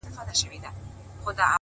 درته ایښي د څپلیو دي رنګونه،!